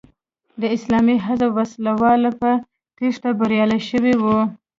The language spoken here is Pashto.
د اسلامي حزب وسله وال په تېښته بریالي شوي وو.